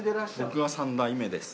僕は３代目です。